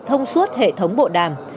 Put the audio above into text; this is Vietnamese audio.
thông suốt hệ thống bộ đàm